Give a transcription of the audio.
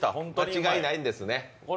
間違いないですね？